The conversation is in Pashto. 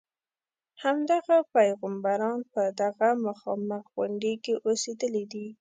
همدغه پیغمبران په دغه مخامخ غونډې کې اوسېدلي دي.